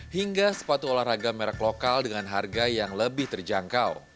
hingga sepatu olahraga merek lokal dengan harga yang lebih terjangkau